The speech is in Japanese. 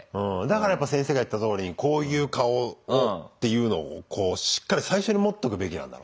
だからやっぱ先生が言ったとおりこういう顔をっていうのをこうしっかり最初に持っとくべきなんだろうね。